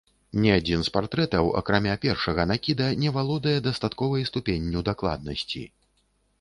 Ні адзін з партрэтаў, акрамя першага накіда, не валодае дастатковай ступенню дакладнасці.